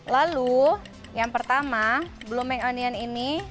lalu yang pertama blooming onion ini